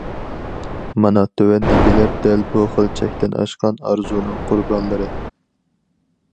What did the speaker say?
مانا تۆۋەندىكىلەر دەل بۇ خىل چەكتىن ئاشقان ئارزۇنىڭ قۇربانلىرى!